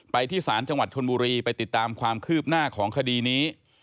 ที่ศาลจังหวัดชนบุรีไปติดตามความคืบหน้าของคดีนี้